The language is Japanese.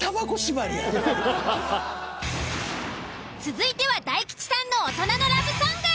続いては大吉さんの大人のラブソング。